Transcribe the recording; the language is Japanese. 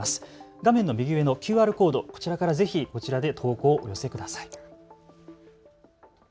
画面の右上のＱＲコード、こちらからぜひ投稿をお寄せください。